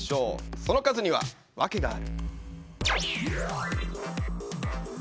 その数字にはワケがある。